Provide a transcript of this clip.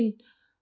người có hiv